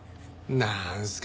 なんですか？